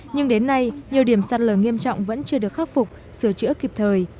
nhưng đến nay nhiều điểm sạt lở nghiêm trọng vẫn chưa được khắc phục sửa chữa kịp thời